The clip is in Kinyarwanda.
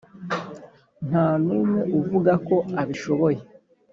nta n umwe uvuga ko abishoboye